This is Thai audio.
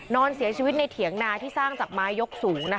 นอนเสียชีวิตในเถียงนาที่สร้างจากไม้ยกสูง